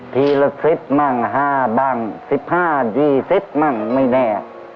ทีละสิบมั่งห้าบังสิบห้ายี่สิบมั่งไม่แน่